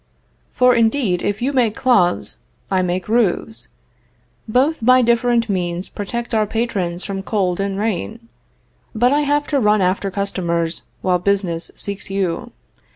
For indeed, if you make cloths, I make roofs. Both by different means protect our patrons from cold and rain. But I have to run after customers while business seeks you.